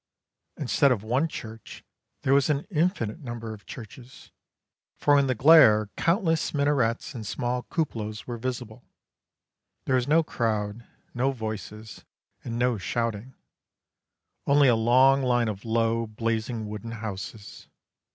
Instead of one church there was an infinite number of churches, for in the glare countless minarets and small cupolas were visible. There was no crowd, no voices, and no shouting; only a long line of low, blazing wooden houses.